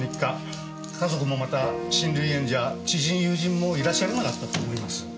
家族もまた親類縁者知人友人もいらっしゃらなかったと思います。